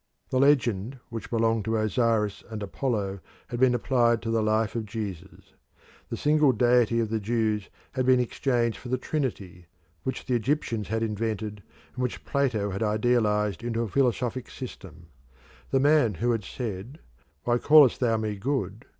The legends which belonged to Osiris and Apollo had been applied to the life of Jesus. The single Deity of the Jews had been exchanged for the Trinity, which the Egyptians had invented and which Plato had idealised into a philosophic system. The man who had said "Why callest thou me good?